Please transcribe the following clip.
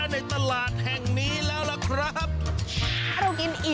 ถ้าเรากินอิ่มแล้วแบบนี้